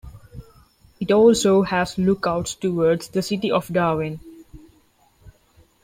It also has lookouts towards the city of Darwin.